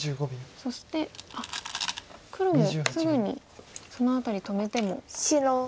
そして黒もすぐにその辺り止めても。